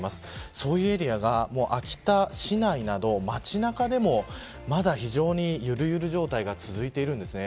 そういうエリアが秋田市内などまちなかでもまだ非常にゆるゆるの状態が続いているんです。